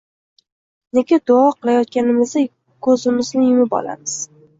Nega duo kilayotganimizda kuzimizni yumib olamiz…